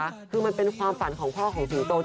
คือมันเป็นความฝันของพ่อของสิงโต